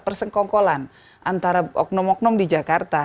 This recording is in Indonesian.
persekongkolan antara oknum oknum di jakarta